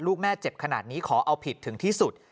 ลูกแม่เจ็บขนาดนี้ขอเอาผิดถึงที่สุด